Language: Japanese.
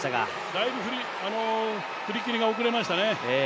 だいぶ振り切りが遅れましたね。